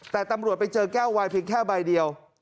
แต่ตำรวจไปเจอแก้ววายเพียงแค่ใบเดียว